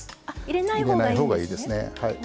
入れない方がいいですねはい。